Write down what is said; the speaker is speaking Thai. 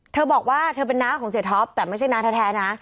เธอบอกว่าเธอเป็นน้าของเสียท็อปแต่ไม่ใช่น้าแท้นะ